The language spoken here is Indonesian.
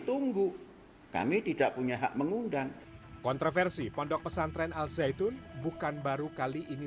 tunggu kami tidak punya hak mengundang kontroversi pondok pesantren al zaitun bukan baru kali ini